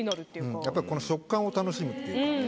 やっぱりこの食感を楽しむっていうか。